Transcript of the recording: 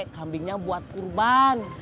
kambingnya buat kurban